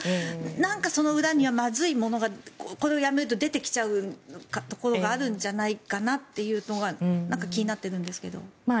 なんか、その裏にはまずいものがこれをやめると出てきちゃうところがあるんじゃないかなっていうところがなんか気になってるんですが。